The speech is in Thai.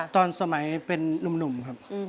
ตอนสมัยเป็นนุ่มครับ